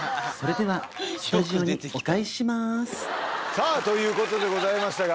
さぁということでございましたが。